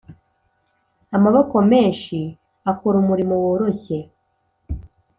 amaboko menshi akora umurimo woroshye